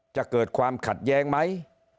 จะเกิดความขัดแย้งไหม